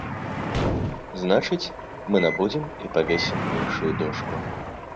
Значыць, мы набудзем і павесім іншую дошку.